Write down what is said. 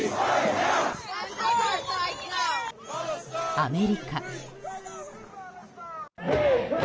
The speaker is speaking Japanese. アメリカ。